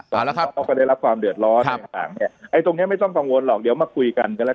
ต้องกดได้รับความเดือดร้อนตรงเนี่ยไม่ต้องสงวนหรอกดีกว่ามาคุยกันครับ